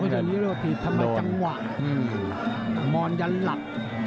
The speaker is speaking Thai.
โอ้โหก็จริงนี้เราก็พีชทำมาจังหวะมอนยันต์หลับ